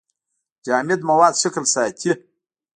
جامد مواد شکل ساتي.